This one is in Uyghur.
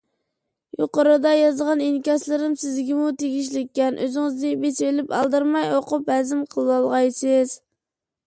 يۇقىرىدا يازغان ئىنكاسلىرىم سىزگىمۇ تېگىشلىككەن. ئۆزىڭىزنى بېسىۋېلىپ ئالدىرماي ئوقۇپ ھەزىم قىلىۋالغايسىز.